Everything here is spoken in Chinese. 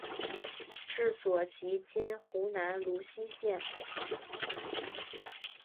治所即今湖南泸溪县。